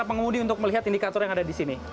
nah para pengundi untuk melihat indikator yang ada di sini